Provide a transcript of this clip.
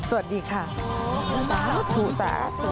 สวัสดีค่ะ